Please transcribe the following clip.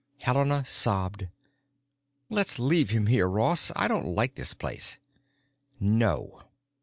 Helena sobbed, "Let's leave him here, Ross. I don't like this place." "No."